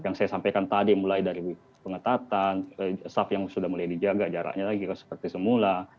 yang saya sampaikan tadi mulai dari pengetatan staff yang sudah mulai dijaga jaraknya lagi seperti semula